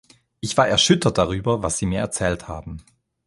Ich war erschüttert darüber, was sie mir erzählt haben.